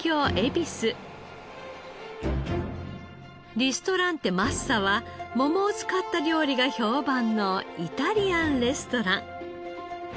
リストランテ・マッサは桃を使った料理が評判のイタリアンレストラン。